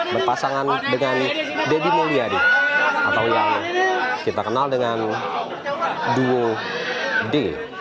berpasangan dengan deddy mulyadi atau yang kita kenal dengan duo d